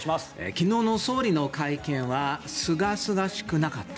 昨日の総理の会見はすがすがしくなかった。